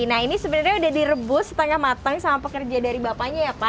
nah ini sebenarnya udah direbus setengah matang sama pekerja dari bapaknya ya pak